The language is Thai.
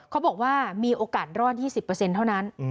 เขาบอกว่ามีโอกาสรอด๒๐เท่านั้น